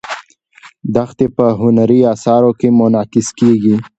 دښتې په هنري اثارو کې منعکس کېږي.